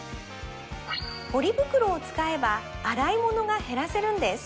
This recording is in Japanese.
ポリ袋を使えば洗い物が減らせるんです